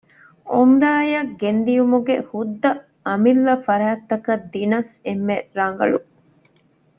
ޢުމްރާއަށް ގެންދިޔުމުގެ ހުއްދަ އަމިއްލަ ފަރާތްތަކަށް ދިނަސް އެންމެ ރަގަޅު